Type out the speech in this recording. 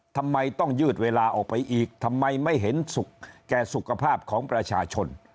ทำไมต้องยืดเวลาออกไปอีกทำไมไม่เห็นแก่สุขภาพของประชาชน